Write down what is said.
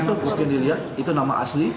ya di situ mungkin dilihat itu nama asli